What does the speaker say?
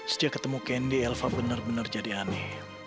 sejak ketemu candy elva bener bener jadi aneh